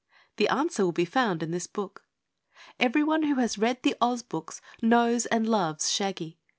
The answer will be found in this book. Everyone who has read the Oz books knows and loves Shaggy.